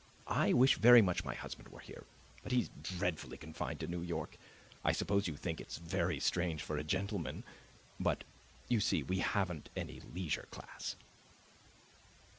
I wish very much my husband were here; but he's dreadfully confined to New York. I suppose you think that is very strange for a gentleman. But you see we haven't any leisure class."